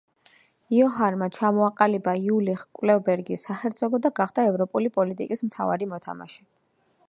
იოჰანმა ჩამოაყალიბა იულიხ-კლევ-ბერგის საჰერცოგო და გახდა ევროპული პოლიტიკის მთავარი მოთამაშე.